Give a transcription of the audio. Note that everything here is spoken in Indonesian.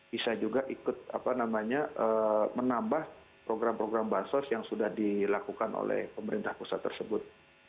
bisa juga ikut menambah program program bansos yang sudah dilakukan oleh pemerintah pusat tersebut